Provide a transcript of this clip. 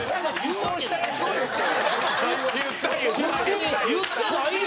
小杉：言ってないよ！